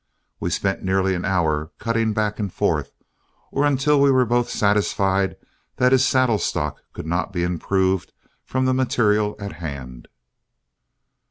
We spent nearly an hour cutting back and forth, or until we were both satisfied that his saddle stock could not be improved from the material at hand.